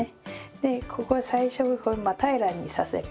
でここ最初真っ平らにさせる。